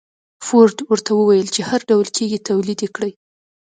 فورډ ورته وويل چې هر ډول کېږي توليد يې کړئ.